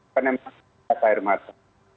penempatan gas air mata